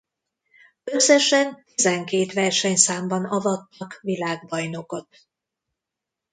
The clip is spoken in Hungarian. Összesen tizenkét versenyszámban avattak világbajnokot.